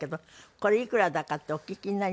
これいくらだかってお聞きになりました？